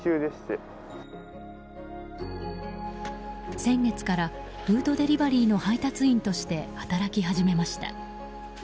先月からフードデリバリーの配達員として働き始めました。